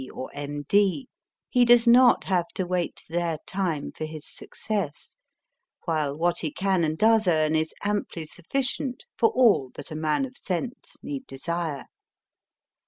or M.D., he does not have to wait their 238 MY FIRST BOOK time for his success, while what he can and does earn is amply sufficient for all that a man of sense need desire.